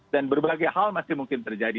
dan berbagai hal masih mungkin terjadi